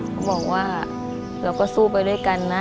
เขาบอกว่าเราก็สู้ไปด้วยกันนะ